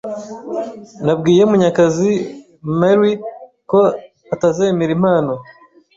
Nabwiye Munyakazi Mary ko atazemera impano.